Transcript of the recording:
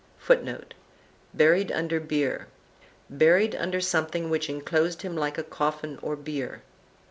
[Footnote: Buried under beare. Buried under something which enclosed him like a coffin or bier.